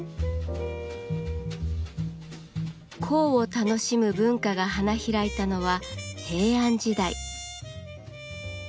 香を楽しむ文化が花開いたのは平安時代。